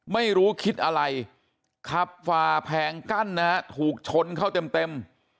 ไม่รู้คิดอะไรขับฝ่าแผงกั้นนะฮะถูกชนเข้าเต็ม